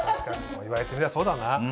確かに言われてみればそうだな。